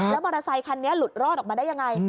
มอเตอร์ไซคันนี้หลุดรอดออกมาได้ยังไง